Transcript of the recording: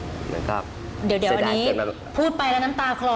เดี๋ยววันนี้พูดไปแล้วน้ำตาคลอ